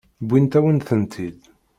Wwint-awen-tent-id.